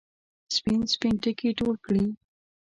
سپین، سپین ټکي ټول کړي